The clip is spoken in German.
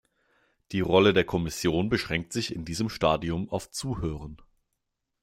Die Rolle der Kommission beschränkt sich in diesem Stadium auf Zuhören.